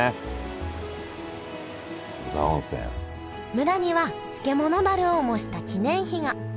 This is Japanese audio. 村には漬物樽を模した記念碑が！